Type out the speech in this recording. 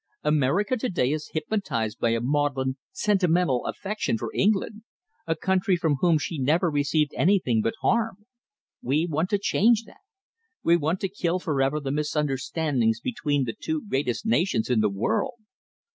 America to day is hypnotised by a maudlin, sentimental affection for England, a country from whom she never received anything but harm. We want to change that. We want to kill for ever the misunderstandings between the two greatest nations in the world.